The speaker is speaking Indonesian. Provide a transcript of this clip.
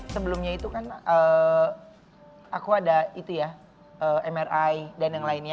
sebelumnya itu kan aku ada mri dan yang lainnya